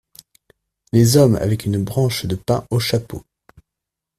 Les hommes avec une branche de pin au chapeau.